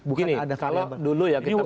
begini kalau dulu ya kita bandingkan